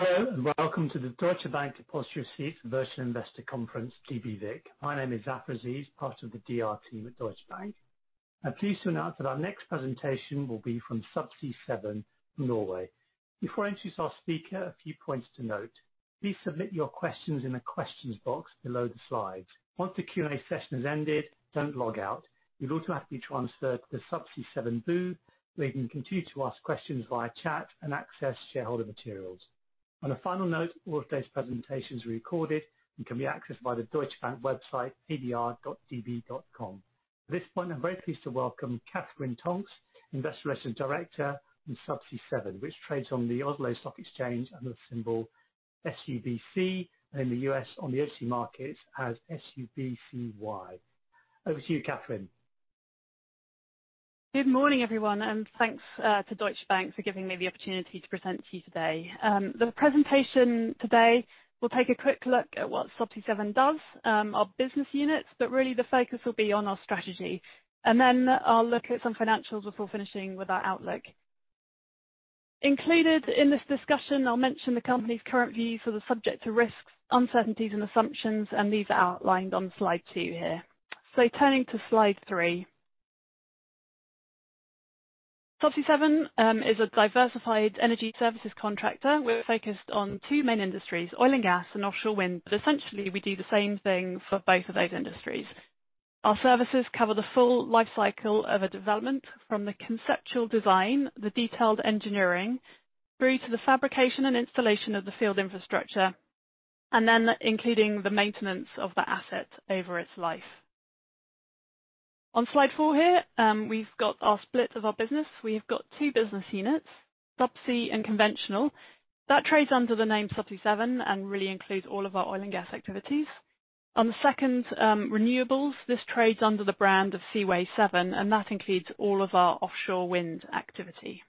...Hello, and welcome to the Deutsche Bank Depository Receipts Virtual Investor Conference, DBVIC. My name is Zafar Aziz, part of the DR team at Deutsche Bank. I'm pleased to announce that our next presentation will be from Subsea 7, Norway. Before I introduce our speaker, a few points to note. Please submit your questions in the questions box below the slides. Once the Q&A session has ended, don't log out. You'll automatically be transferred to the Subsea 7 booth, where you can continue to ask questions via chat and access shareholder materials. On a final note, all of today's presentations are recorded and can be accessed via the Deutsche Bank website, dr.db.com. At this point, I'm very pleased to welcome Katherine Tonks, Investor Relations Director in Subsea 7, which trades on the Oslo Stock Exchange under the symbol SUBC, and in the US on the OTC markets as SUBCY. Over to you, Katherine. Good morning, everyone, and thanks to Deutsche Bank for giving me the opportunity to present to you today. The presentation today will take a quick look at what Subsea 7 does, our business units, but really the focus will be on our strategy. Then I'll look at some financials before finishing with our outlook. Included in this discussion, I'll mention the company's current views are the subject to risks, uncertainties and assumptions, and these are outlined on slide two here. Turning to slide three. Subsea 7 is a diversified energy services contractor. We're focused on two main industries, oil and gas and offshore wind. But essentially, we do the same thing for both of those industries. Our services cover the full life cycle of a development, from the conceptual design, the detailed engineering, through to the fabrication and installation of the field infrastructure, and then including the maintenance of the asset over its life. On slide four here, we've got our split of our business. We've got two business units, Subsea and Conventional. That trades under the name Subsea 7 and really includes all of our oil and gas activities. On the second, Renewables, this trades under the brand of Seaway 7, and that includes all of our offshore wind activity.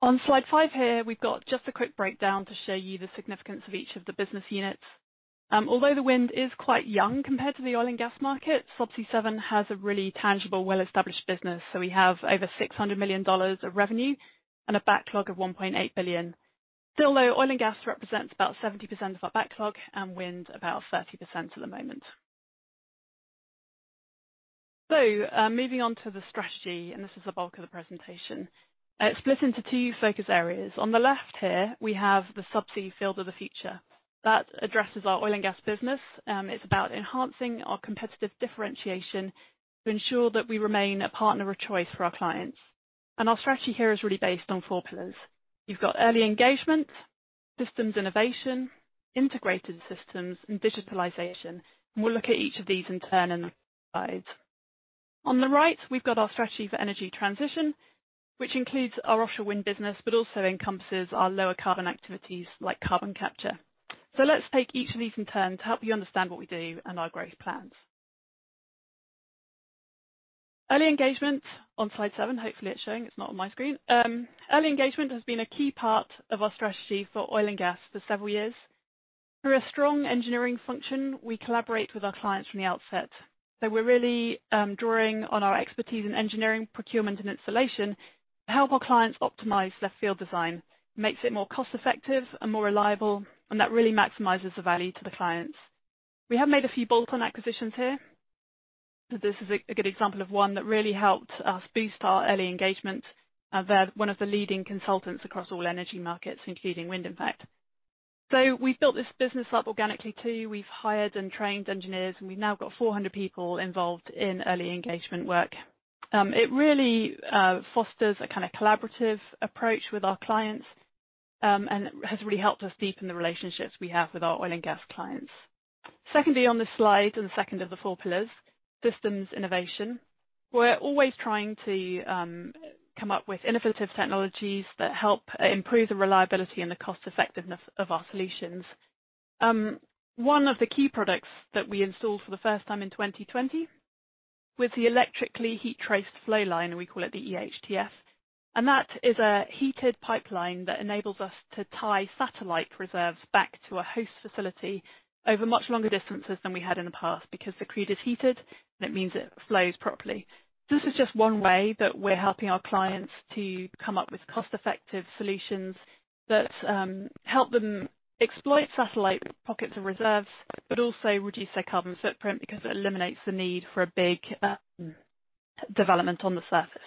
On slide five here, we've got just a quick breakdown to show you the significance of each of the business units. Although the wind is quite young compared to the oil and gas market, Subsea 7 has a really tangible, well-established business. So we have over $600 million of revenue and a backlog of $1.8 billion. Still, though, oil and gas represents about 70% of our backlog and wind about 30% at the moment. So, moving on to the strategy, and this is the bulk of the presentation. It's split into two focus areas. On the left here, we have the Subsea field of the future. That addresses our oil and gas business. It's about enhancing our competitive differentiation to ensure that we remain a partner of choice for our clients. And our strategy here is really based on four pillars. You've got early engagement, systems innovation, integrated systems, and digitalization, and we'll look at each of these in turn in the slides. On the right, we've got our strategy for energy transition, which includes our offshore wind business, but also encompasses our lower carbon activities like carbon capture. So let's take each of these in turn to help you understand what we do and our growth plans. Early engagement on slide seven. Hopefully, it's showing, it's not on my screen. Early engagement has been a key part of our strategy for oil and gas for several years. Through a strong engineering function, we collaborate with our clients from the outset. So we're really drawing on our expertise in engineering, procurement and installation, to help our clients optimize their field design. Makes it more cost-effective and more reliable, and that really maximizes the value to the clients. We have made a few bolt-on acquisitions here. So this is a good example of one that really helped us boost our early engagement. They're one of the leading consultants across all energy markets, including wind, in fact. So we've built this business up organically, too. We've hired and trained engineers, and we've now got 400 people involved in early engagement work. It really fosters a kind of collaborative approach with our clients, and has really helped us deepen the relationships we have with our oil and gas clients. Secondly, on this slide, and the second of the four pillars, systems innovation. We're always trying to come up with innovative technologies that help improve the reliability and the cost effectiveness of our solutions. One of the key products that we installed for the first time in 2020 was the electrically heat-traced flowline, we call it the EHTF, and that is a heated pipeline that enables us to tie satellite reserves back to a host facility over much longer distances than we had in the past, because the crude is heated and it means it flows properly. This is just one way that we're helping our clients to come up with cost-effective solutions that help them exploit satellite pockets of reserves, but also reduce their carbon footprint because it eliminates the need for a big development on the surface.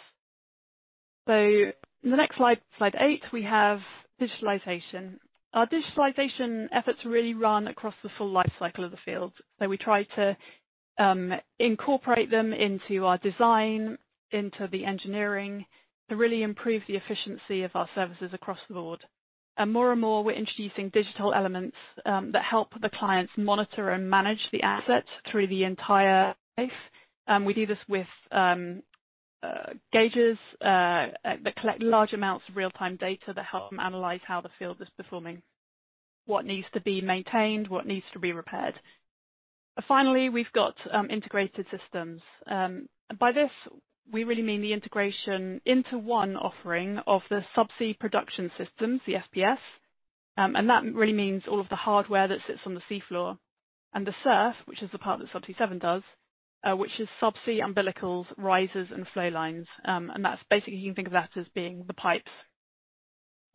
In the next slide, slide 8, we have digitalization. Our digitalization efforts really run across the full life cycle of the field. So we try to incorporate them into our design, into the engineering, to really improve the efficiency of our services across the board. And more and more, we're introducing digital elements that help the clients monitor and manage the asset through the entire life. We do this with gauges that collect large amounts of real-time data that help them analyze how the field is performing, what needs to be maintained, what needs to be repaired. Finally, we've got integrated systems. By this, we really mean the integration into one offering of the subsea production systems, the FPSO, and that really means all of the hardware that sits on the sea floor. And the SURF, which is the part that Subsea 7 does, which is subsea umbilicals, risers, and flow lines. And that's basically, you can think of that as being the pipes.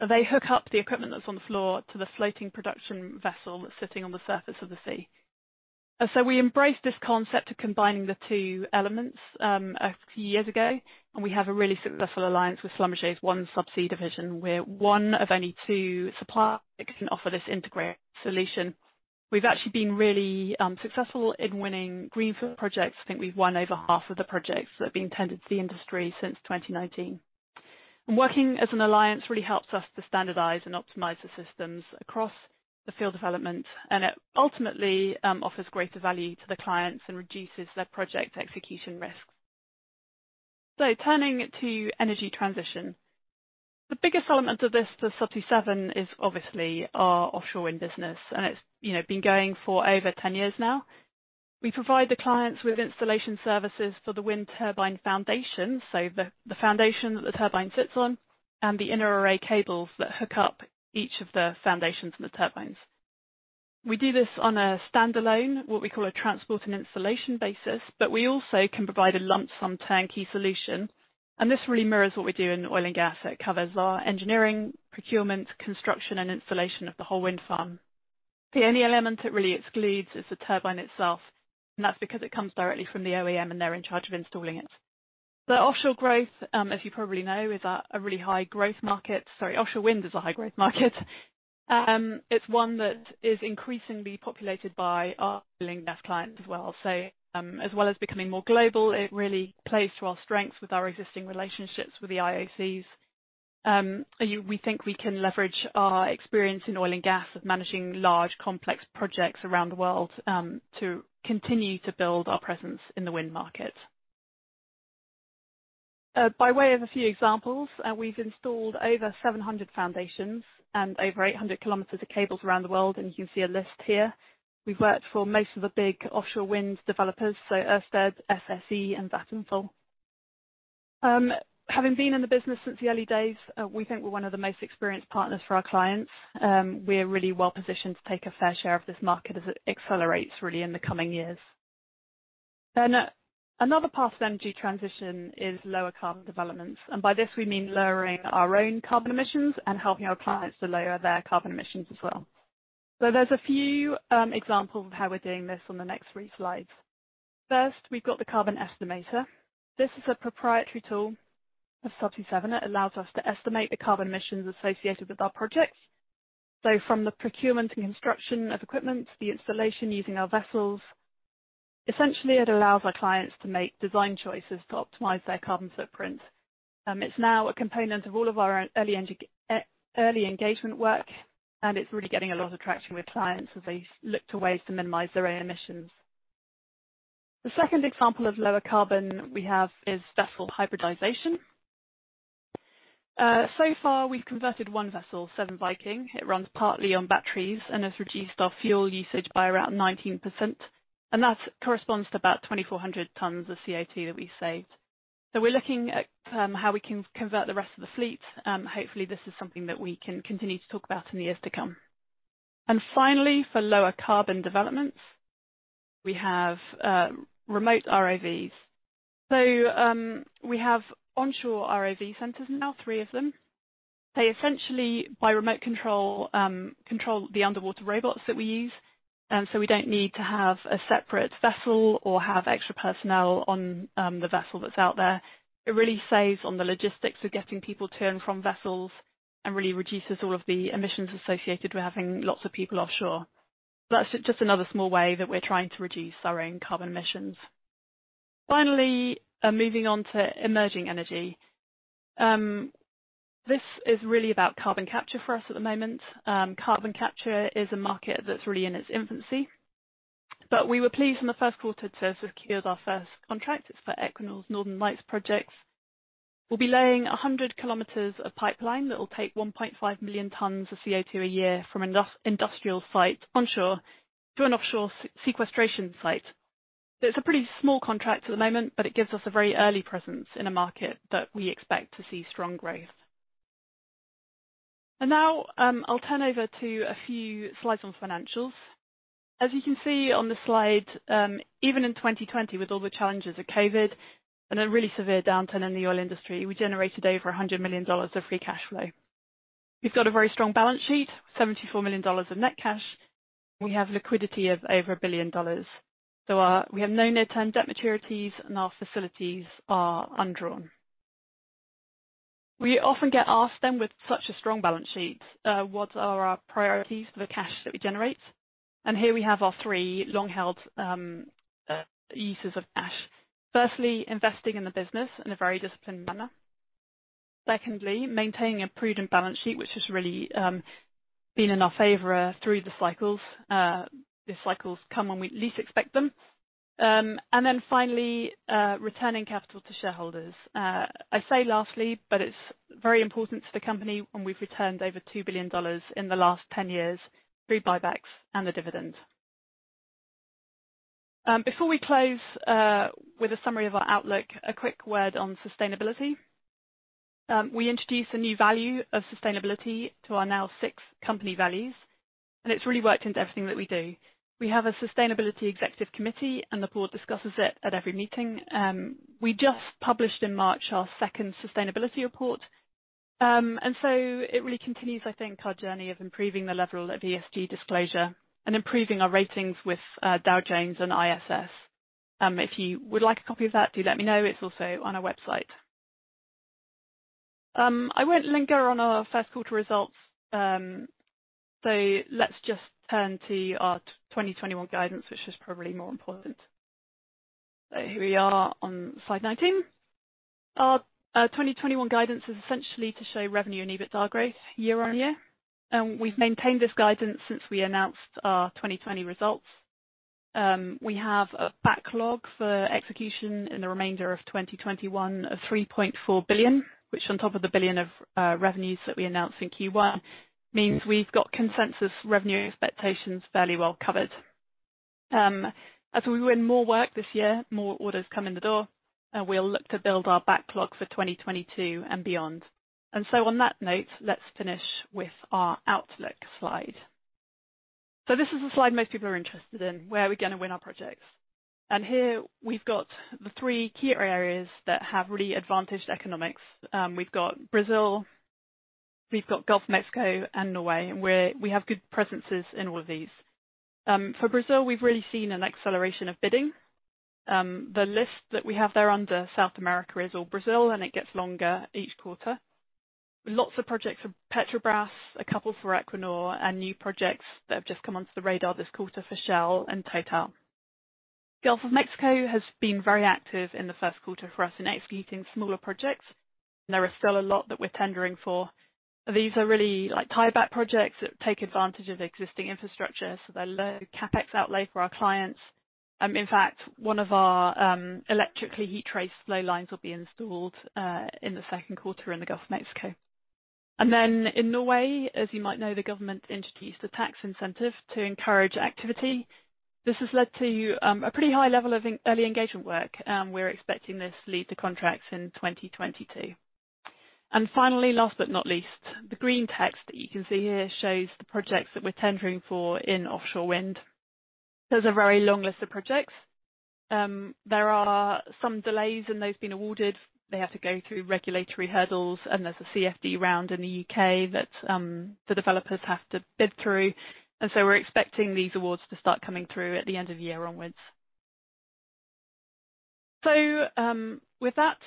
They hook up the equipment that's on the floor to the floating production vessel that's sitting on the surface of the sea. And so we embraced this concept of combining the two elements a few years ago, and we have a really successful alliance with Schlumberger's OneSubsea division. We're one of only two suppliers that can offer this integrated solution. We've actually been really successful in winning greenfield projects. I think we've won over half of the projects that have been tendered to the industry since 2019. And working as an alliance really helps us to standardize and optimize the systems across the field development, and it ultimately offers greater value to the clients and reduces their project execution risks. So turning to energy transition. The biggest element of this for Subsea 7 is obviously our offshore wind business, and it's, you know, been going for over 10 years now. We provide the clients with installation services for the wind turbine foundation, so the foundation that the turbine sits on, and the inner array cables that hook up each of the foundations and the turbines. We do this on a standalone, what we call a transport and installation basis, but we also can provide a lump sum turnkey solution, and this really mirrors what we do in oil and gas. It covers our engineering, procurement, construction, and installation of the whole wind farm. The only element it really excludes is the turbine itself, and that's because it comes directly from the OEM, and they're in charge of installing it. The offshore growth, as you probably know, is a really high growth market. Sorry, offshore wind is a high growth market. It's one that is increasingly populated by our oil and gas clients as well. So, as well as becoming more global, it really plays to our strengths with our existing relationships with the IOCs. We think we can leverage our experience in oil and gas of managing large, complex projects around the world, to continue to build our presence in the wind market. By way of a few examples, we've installed over 700 foundations and over 800 kilometers of cables around the world, and you can see a list here. We've worked for most of the big offshore wind developers, so Ørsted, SSE, and Vattenfall. Having been in the business since the early days, we think we're one of the most experienced partners for our clients. We're really well positioned to take a fair share of this market as it accelerates, really, in the coming years. Then another part of energy transition is lower carbon developments, and by this we mean lowering our own carbon emissions and helping our clients to lower their carbon emissions as well. So there's a few examples of how we're doing this on the next three slides. First, we've got the Carbon Estimator. This is a proprietary tool of Subsea 7.It allows us to estimate the carbon emissions associated with our projects, so from the procurement and construction of equipment, the installation using our vessels. Essentially, it allows our clients to make design choices to optimize their carbon footprint. It's now a component of all of our early engagement work, and it's really getting a lot of traction with clients as they look to ways to minimize their own emissions. The second example of lower carbon we have is vessel hybridization. So far, we've converted one vessel, Seven Viking. It runs partly on batteries and has reduced our fuel usage by around 19%, and that corresponds to about 2,400 tons of CO2 that we've saved. So we're looking at how we can convert the rest of the fleet. Hopefully, this is something that we can continue to talk about in the years to come. And finally, for lower carbon developments, we have remote ROVs. So, we have onshore ROV centers now, three of them. They essentially, by remote control, control the underwater robots that we use, so we don't need to have a separate vessel or have extra personnel on, the vessel that's out there. It really saves on the logistics of getting people to and from vessels and really reduces all of the emissions associated with having lots of people offshore. That's just another small way that we're trying to reduce our own carbon emissions. Finally, moving on to emerging energy. This is really about carbon capture for us at the moment. Carbon capture is a market that's really in its infancy, but we were pleased in the first quarter to have secured our first contract. It's for Equinor's Northern Lights projects. We'll be laying 100 kilometers of pipeline that will take 1.5 million tons of CO2 a year from an industrial site onshore to an offshore sequestration site. It's a pretty small contract at the moment, but it gives us a very early presence in a market that we expect to see strong growth. Now, I'll turn over to a few slides on financials. As you can see on the slide, even in 2020, with all the challenges of COVID and a really severe downturn in the oil industry, we generated over $100 million of free cash flow. We've got a very strong balance sheet, $74 million of net cash. We have liquidity of over $1 billion. We have no near-term debt maturities, and our facilities are undrawn. We often get asked then, with such a strong balance sheet, what are our priorities for the cash that we generate? And here we have our three long-held uses of cash. Firstly, investing in the business in a very disciplined manner. Secondly, maintaining a prudent balance sheet, which has really been in our favor through the cycles. The cycles come when we least expect them. And then finally, returning capital to shareholders. I say lastly, but it's very important to the company, and we've returned over $2 billion in the last 10 years through buybacks and the dividend. Before we close with a summary of our outlook, a quick word on sustainability. We introduced a new value of sustainability to our now six company values, and it's really worked into everything that we do. We have a Sustainability Executive Committee, and the board discusses it at every meeting. We just published, in March, our second sustainability report. And so it really continues, I think, our journey of improving the level of ESG disclosure and improving our ratings with Dow Jones and ISS. If you would like a copy of that, do let me know. It's also on our website. I won't linger on our first quarter results. So let's just turn to our 2021 guidance, which is probably more important. So here we are on slide 19. Our 2021 guidance is essentially to show revenue and EBITDA growth year-over-year, and we've maintained this guidance since we announced our 2020 results. We have a backlog for execution in the remainder of 2021 of $3.4 billion, which on top of the $1 billion of revenues that we announced in Q1, means we've got consensus revenue expectations fairly well covered. As we win more work this year, more orders come in the door, and we'll look to build our backlog for 2022 and beyond. So on that note, let's finish with our outlook slide. So this is the slide most people are interested in. Where are we gonna win our projects? And here we've got the three key areas that have really advantaged economics. We've got Brazil, we've got Gulf of Mexico, and Norway, and we have good presences in all of these. For Brazil, we've really seen an acceleration of bidding. The list that we have there under South America is all Brazil, and it gets longer each quarter. Lots of projects for Petrobras, a couple for Equinor, and new projects that have just come onto the radar this quarter for Shell and Total. Gulf of Mexico has been very active in the first quarter for us in executing smaller projects, and there are still a lot that we're tendering for. These are really, like, tieback projects that take advantage of existing infrastructure, so they're low CapEx outlay for our clients. In fact, one of our electrically heat-traced flowlines will be installed in the second quarter in the Gulf of Mexico. And then in Norway, as you might know, the government introduced a tax incentive to encourage activity. This has led to a pretty high level of in early engagement work, and we're expecting this to lead to contracts in 2022. And finally, last but not least, the green text that you can see here shows the projects that we're tendering for in offshore wind. There's a very long list of projects. There are some delays in those being awarded. They have to go through regulatory hurdles, and there's a CFD round in the U.K. that the developers have to bid through, and so we're expecting these awards to start coming through at the end of the year onwards. So, with that,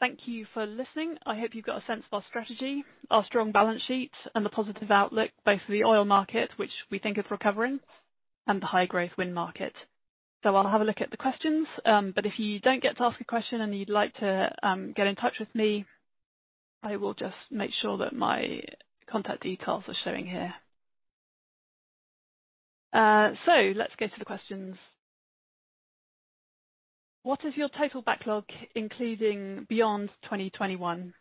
thank you for listening. I hope you've got a sense of our strategy, our strong balance sheet, and the positive outlook, both for the oil market, which we think is recovering, and the high-growth wind market. So I'll have a look at the questions, but if you don't get to ask a question and you'd like to, get in touch with me, I will just make sure that my contact details are showing here. So let's get to the questions. What is your total backlog, including beyond 2021?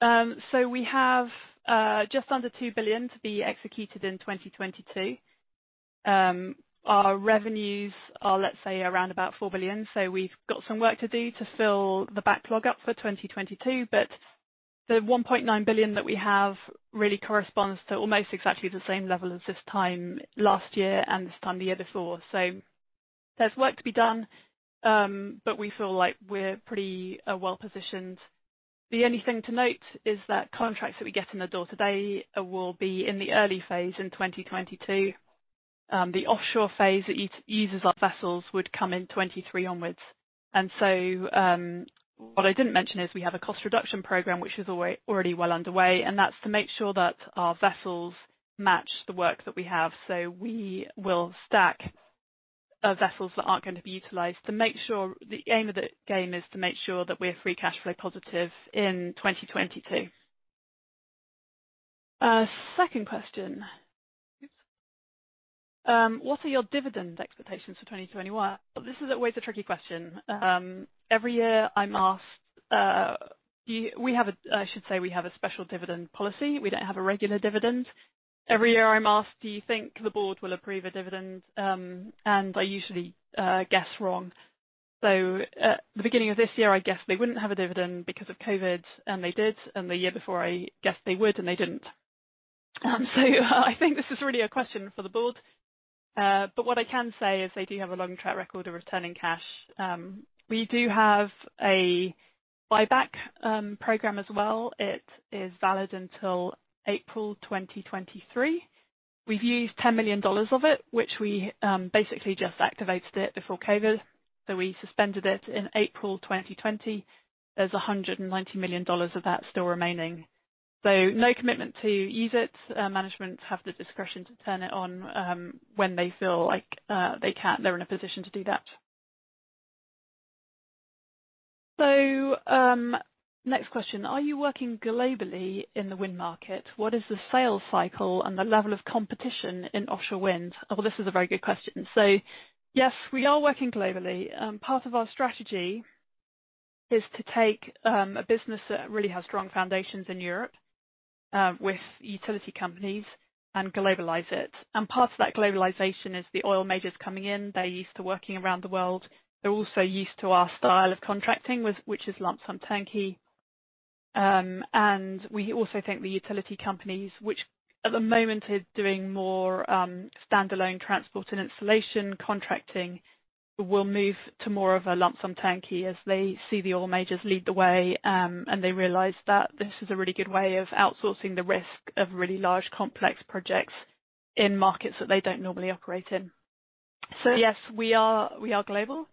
So we have, just under $2 billion to be executed in 2022. Our revenues are, let's say, around about $4 billion. So we've got some work to do to fill the backlog up for 2022, but the $1.9 billion that we have really corresponds to almost exactly the same level as this time last year and this time the year before. So there's work to be done, but we feel like we're pretty, well positioned. The only thing to note is that contracts that we get in the door today will be in the early phase in 2022. The offshore phase that uses our vessels would come in 2023 onwards. So, what I didn't mention is we have a cost reduction program, which is already well underway, and that's to make sure that our vessels match the work that we have. So we will stack vessels that aren't going to be utilized to make sure. The aim of the game is to make sure that we're free cash flow positive in 2022. Second question. What are your dividend expectations for 2021? This is always a tricky question. Every year I'm asked, I should say we have a special dividend policy. We don't have a regular dividend. Every year I'm asked, "Do you think the board will approve a dividend?" I usually guess wrong. At the beginning of this year, I guessed they wouldn't have a dividend because of COVID, and they did, and the year before, I guessed they would, and they didn't. I think this is really a question for the board. But what I can say is they do have a long track record of returning cash. We do have a buyback program as well. It is valid until April 2023. We've used $10 million of it, which we basically just activated it before COVID, so we suspended it in April 2020. There's $190 million of that still remaining. So no commitment to use it. Management have the discretion to turn it on, when they feel like, they can—they're in a position to do that. So, next question: Are you working globally in the wind market? What is the sales cycle and the level of competition in offshore wind? Oh, this is a very good question. So yes, we are working globally. Part of our strategy is to take, a business that really has strong foundations in Europe, with utility companies and globalize it. And part of that globalization is the oil majors coming in. They're used to working around the world. They're also used to our style of contracting, which is Lump Sum Turnkey. And we also think the utility companies, which at the moment are doing more standalone transport and installation contracting, will move to more of a lump sum turnkey as they see the oil majors lead the way, and they realize that this is a really good way of outsourcing the risk of really large, complex projects in markets that they don't normally operate in. So yes, we are, we are global,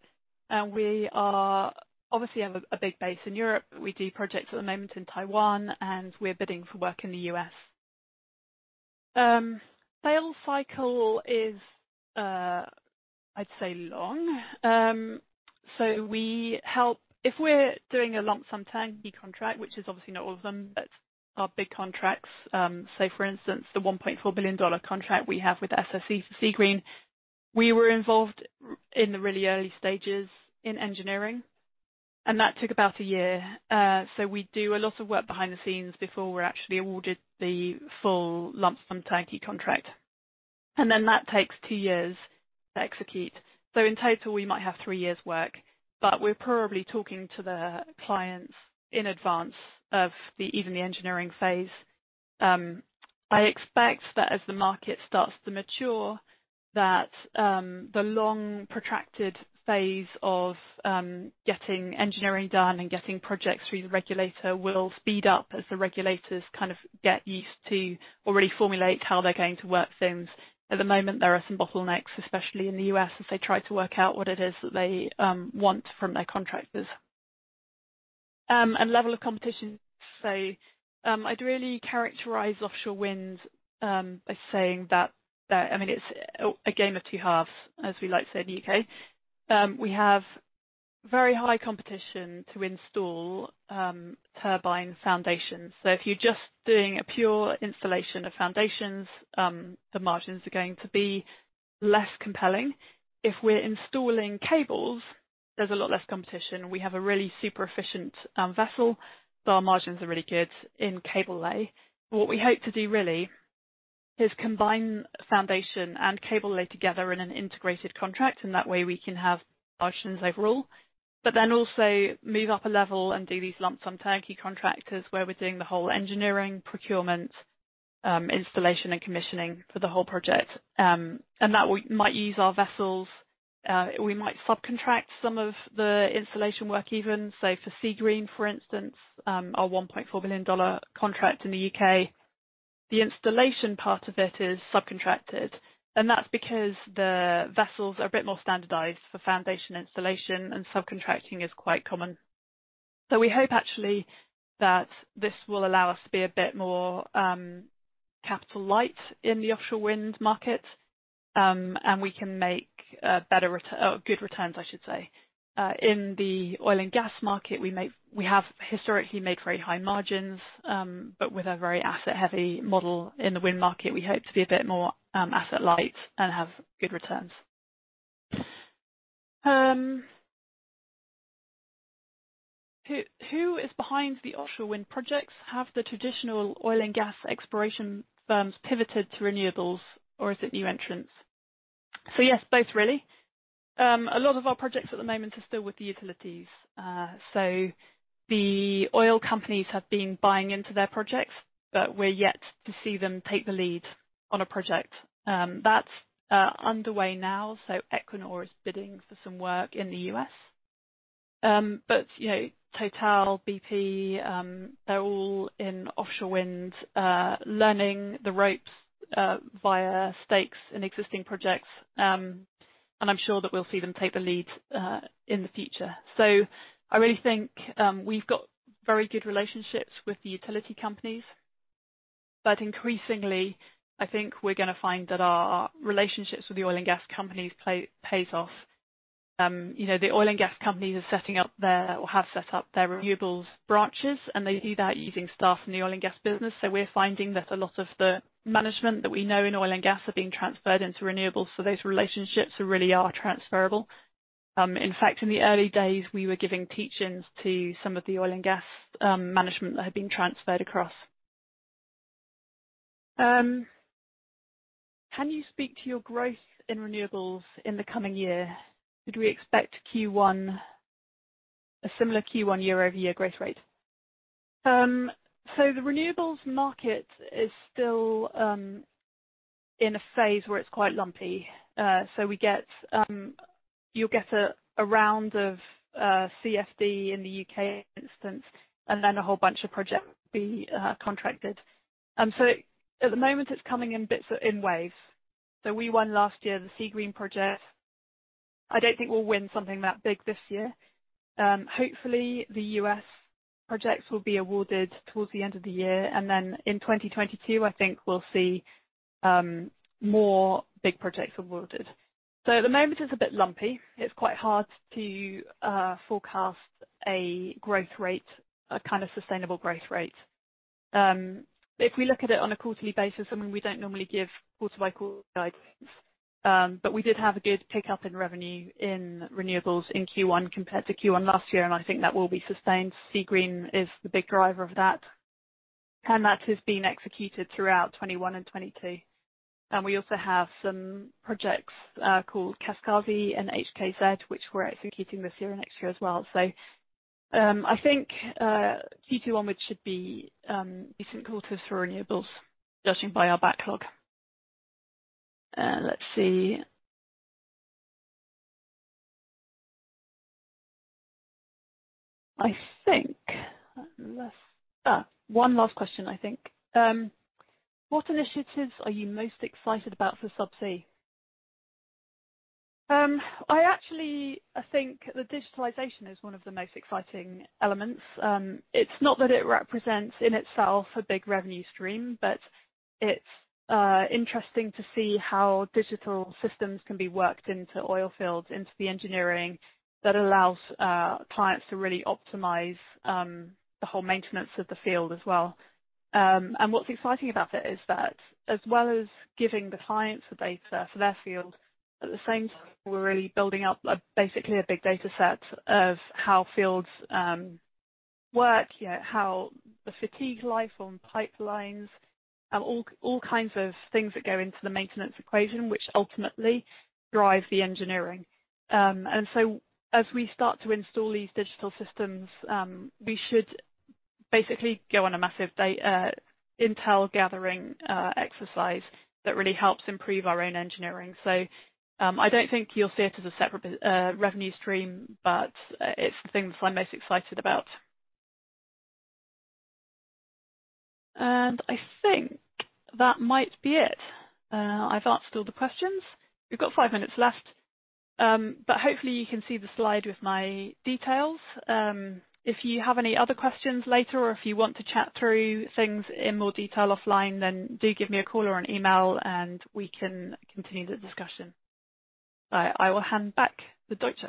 and we are obviously have a big base in Europe. We do projects at the moment in Taiwan, and we're bidding for work in the U.S. Sales cycle is, I'd say long. So we help if we're doing a lump sum turnkey contract, which is obviously not all of them, but our big contracts, so for instance, the $1.4 billion contract we have with SSE Seagreen, we were involved in the really early stages in engineering, and that took about a year. So we do a lot of work behind the scenes before we're actually awarded the full lump sum turnkey contract. And then that takes two years to execute. So in total, we might have three years work, but we're probably talking to the clients in advance of even the engineering phase. I expect that as the market starts to mature, the long, protracted phase of getting engineering done and getting projects through the regulator will speed up as the regulators kind of get used to or really formulate how they're going to work things. At the moment, there are some bottlenecks, especially in the U.S., as they try to work out what it is that they want from their contractors. And level of competition, so I'd really characterize offshore wind by saying that, I mean, it's a game of two halves, as we like to say in the U.K. We have very high competition to install turbine foundations. So if you're just doing a pure installation of foundations, the margins are going to be less compelling. If we're installing cables, there's a lot less competition. We have a really super efficient vessel, so our margins are really good in cable lay. What we hope to do really is combine foundation and cable lay together in an integrated contract, and that way we can have margins overall, but then also move up a level and do these lump sum turnkey contracts, as where we're doing the whole engineering, procurement, installation, and commissioning for the whole project. And that we might use our vessels. We might subcontract some of the installation work even. So for Seagreen, for instance, our $1.4 billion contract in the U.K. , the installation part of it is subcontracted, and that's because the vessels are a bit more standardized for foundation installation, and subcontracting is quite common. So we hope actually, that this will allow us to be a bit more, capital light in the offshore wind market, and we can make a better return- good returns, I should say. In the oil and gas market, we make- we have historically made very high margins, but with a very asset-heavy model. In the wind market, we hope to be a bit more, asset light and have good returns. "Who, who is behind the offshore wind projects? Have the traditional oil and gas exploration firms pivoted to renewables, or is it new entrants?" So yes, both really. A lot of our projects at the moment are still with the utilities. So the oil companies have been buying into their projects, but we're yet to see them take the lead on a project. That's underway now, so Equinor is bidding for some work in the U.S. But, you know, Total, BP, they're all in offshore wind, learning the ropes, via stakes in existing projects, and I'm sure that we'll see them take the lead, in the future. So I really think, we've got very good relationships with the utility companies, but increasingly, I think we're gonna find that our relationships with the oil and gas companies pay, pays off. You know, the oil and gas companies are setting up their, or have set up their renewables branches, and they do that using staff in the oil and gas business. So we're finding that a lot of the management that we know in oil and gas are being transferred into renewables, so those relationships really are transferable. In fact, in the early days, we were giving teachings to some of the oil and gas management that had been transferred across. "Can you speak to your growth in renewables in the coming year? Should we expect Q1, a similar Q1 year-over-year growth rate?" So the renewables market is still in a phase where it's quite lumpy. So we get, you'll get a round of CFD in the U.K. instance, and then a whole bunch of projects be contracted. So at the moment, it's coming in bits, in waves. So we won last year, the Seagreen project. I don't think we'll win something that big this year. Hopefully, the U.S. projects will be awarded towards the end of the year, and then in 2022, I think we'll see more big projects awarded. So at the moment, it's a bit lumpy. It's quite hard to forecast a growth rate, a kind of sustainable growth rate. If we look at it on a quarterly basis, I mean, we don't normally give quarter by quarter guidance. But we did have a good pickup in revenue in renewables in Q1 compared to Q1 last year, and I think that will be sustained. Seagreen is the big driver of that, and that has been executed throughout 2021 and 2022. And we also have some projects called Kaskazi and HKZ, which we're executing this year and next year as well. So, I think Q2 on which should be decent quarters for renewables, judging by our backlog. Let's see. I think one last question, I think. What initiatives are you most excited about for Subsea? I actually, I think the digitalization is one of the most exciting elements. It's not that it represents in itself a big revenue stream, but it's interesting to see how digital systems can be worked into oil fields, into the engineering, that allows clients to really optimize the whole maintenance of the field as well. And what's exciting about it is that as well as giving the clients the data for their field, at the same time, we're really building up a, basically a big data set of how fields work, yeah, how the fatigue life on pipelines, all, all kinds of things that go into the maintenance equation, which ultimately drive the engineering. As we start to install these digital systems, we should basically go on a massive intel gathering exercise that really helps improve our own engineering. I don't think you'll see it as a separate revenue stream, but it's the things I'm most excited about. And I think that might be it. I've answered all the questions. We've got five minutes left, but hopefully you can see the slide with my details. If you have any other questions later, or if you want to chat through things in more detail offline, then do give me a call or an email, and we can continue the discussion. I will hand back to Deutsche.